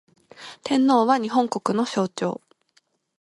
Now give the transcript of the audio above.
天皇は、日本国の象徴